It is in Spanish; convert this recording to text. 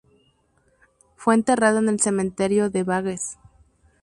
Fue enterrado en el Cementerio de Bages.